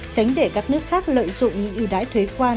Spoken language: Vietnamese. tránh để các nước khác lợi dụng những ưu đãi thuế quan